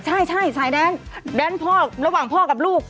ใช่สายแดนแดนพ่อระหว่างพ่อกับลูก